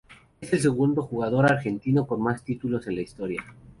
Es el segundo jugador argentino con más títulos en la historia.